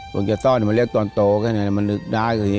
มันจะต้องมันเรียกตอนโตขนาดนี้